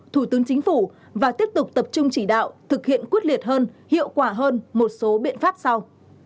thủ tướng chính phủ và tiếp tục tập trung chỉ đạo thực hiện quyết liệt hơn hiệu quả hơn một số biện pháp sau